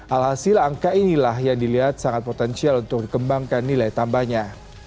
alhasil angka inilah yang dilihat sangat potensial untuk dikembangkan nilai tambahnya